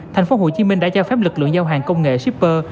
thành phố hồ chí minh đã cho phép lực lượng giao hàng công nghệ shipper